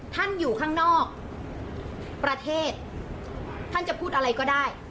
อยู่ข้างนอกประเทศท่านจะพูดอะไรก็ได้